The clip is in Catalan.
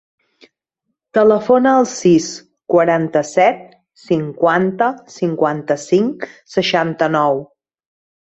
Telefona al sis, quaranta-set, cinquanta, cinquanta-cinc, seixanta-nou.